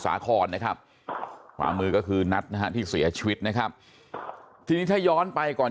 สาครนะครับความมือก็คือนัทที่เสียชีวิตนะครับที่ย้อนไปก่อน